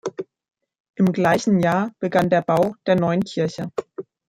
Im gleichen Jahr begann der Bau der neuen Kirche.